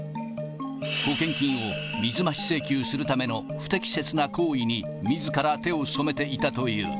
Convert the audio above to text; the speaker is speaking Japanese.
保険金を水増し請求するための不適切な行為にみずから手を染めていたという。